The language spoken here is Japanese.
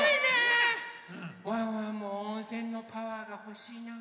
ワンワンも温泉のパワーがほしいな。